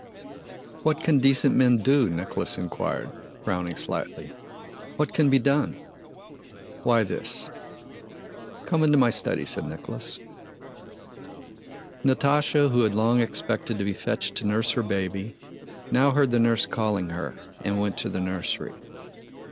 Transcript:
"What can decent men do?" Nicholas inquired, frowning slightly. "What can be done?" "Why, this..." "Come into my study," said Nicholas. Natásha, who had long expected to be fetched to nurse her baby, now heard the nurse calling her and went to the nursery.